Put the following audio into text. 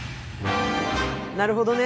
なるほどね。